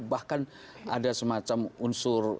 bahkan ada semacam unsur